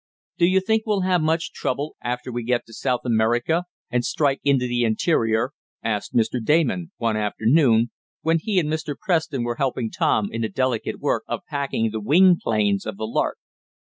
"Do you think we'll have much trouble after we get to South America, and strike into the interior?" asked Mr. Damon one afternoon, when he and Mr. Preston were helping Tom in the delicate work of packing the wing planes of the Lark.